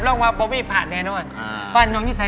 เลือกคุณสมจิตนะถ้าเชิญ